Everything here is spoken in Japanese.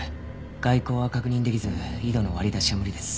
外光は確認できず緯度の割り出しは無理です。